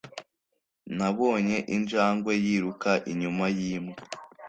Nabonye injangwe yiruka inyuma yimbwa.